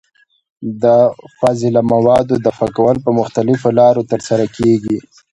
د فاضله موادو دفع کول په مختلفو لارو ترسره کېږي.